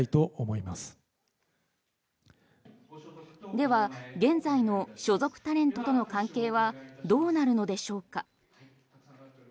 では現在の所属タレントとの関係はどうなるのでしょうか？